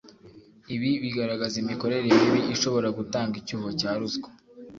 ibi bigaragaza imikorere mibi ishobora gutanga icyuho cya ruswa